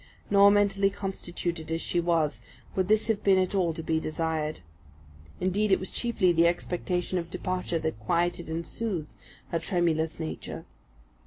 Nor, mentally constituted as she was, would this have been at all to be desired. Indeed it was chiefly the expectation of departure that quieted and soothed her tremulous nature.